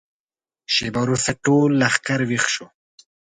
شېبه وروسته ټول لښکر ويښ شو.